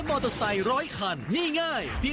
สุดท้ายค่ะสุดท้ายค่ะ